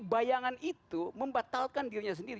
bayangan itu membatalkan dirinya sendiri